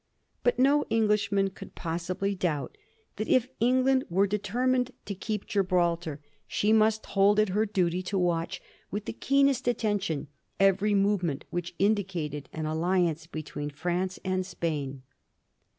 But no Englishman could possibly doubt that if England were determined to keep Gibraltar she must 28 A HISTORY OF THE FOUR GEORGES. ch.xzu. hold it her duty to watch with the keenest attention ev ery movement which indicated an alliance between France and Spain.